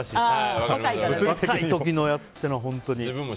若い時のやつっていうのは本当に。